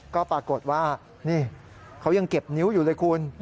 ก็ปรากฏว่านี่เขายังเก็บนิ้วอยู่เลยคุณ